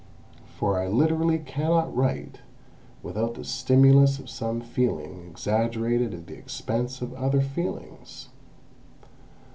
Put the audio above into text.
For I literally cannot write without the stimulus of some feeling exaggerated at the expense of other feelings.